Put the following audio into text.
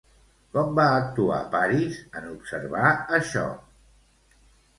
Com va actuar Paris en observar això?